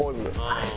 はい。